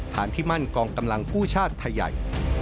ที่มั่นกองกำลังผู้ชาติไทยใหญ่